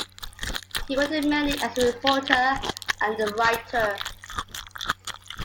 He worked mainly as a reporter and a writer.